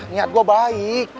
niat gue baik